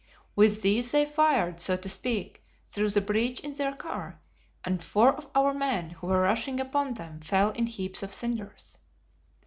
With these they fired, so to speak, through the breach in their car, and four of our men who were rushing upon them fell in heaps of cinders.